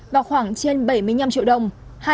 vào khoảng trên bảy mươi năm triệu đồng